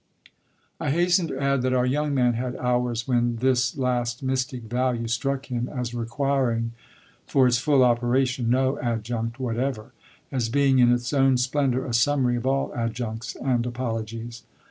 I hasten to add that our young man had hours when this last mystic value struck him as requiring for its full operation no adjunct whatever as being in its own splendour a summary of all adjuncts and apologies.